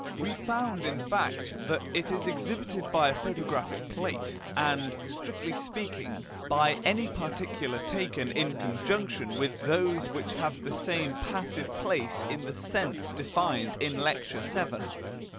We found in fact that it is exhibited by a photographic plate, and, strictly speaking, by any particular taken in conjunction with those which have the same "passive" place in the sense defined in Lecture VII.